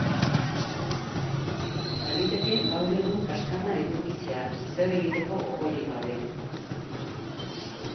Baliteke gaur egun kaskarra edukitzea, ezer egiteko gogorik gabe.